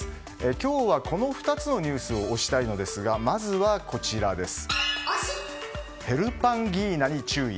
今日は、この２つのニュースを推したいのですがまずはヘルパンギーナに注意。